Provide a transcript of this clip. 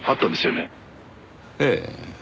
ええ。